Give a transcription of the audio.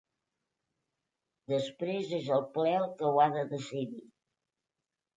Després, és el ple el que ho ha de decidir.